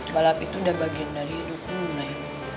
balap itu sudah bagian dari hidupmu neng